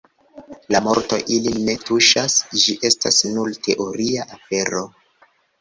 La morto ilin ne tuŝas: ĝi estas nur teoria afero.